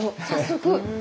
早速！